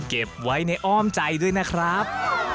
เก็บไว้ในอ้อมใจด้วยนะครับ